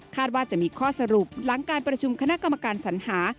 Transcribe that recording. ว่าจะมีข้อสรุปหลังการประชุมคณะกรรมการสัญหา